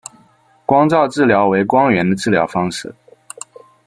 光照治疗为光源的治疗方式。